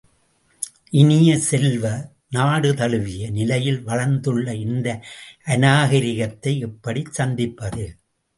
இனிய செல்வ, நாடு தழுவிய, நிலையில் வளர்ந்துள்ள இந்த அநாகரிகத்தை எப்படிச் சந்திப்பது?